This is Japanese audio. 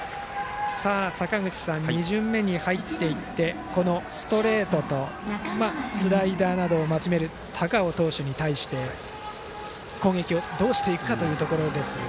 坂口さん、２巡目に入ってストレートとスライダーなどを交える高尾投手に対して攻撃をどうしていくかというところですが。